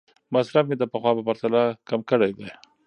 مصرف مې د پخوا په پرتله کم کړی دی.